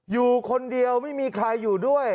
อยู่คนเดียวไม่มีใครอยู่ด้วย